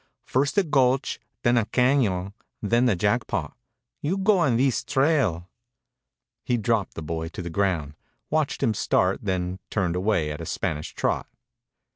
First the gulch, then a cañon, then the Jackpot. You go on thees trail." He dropped the boy to the ground, watched him start, then turned away at a Spanish trot.